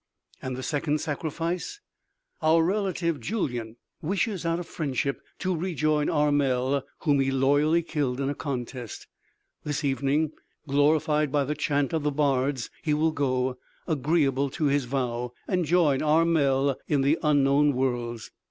"And the second sacrifice?" "Our relative Julyan wishes, out of friendship, to rejoin Armel, whom he loyally killed in a contest. This evening, glorified by the chant of the bards, he will go, agreeable to his vow, and join Armel in the unknown worlds.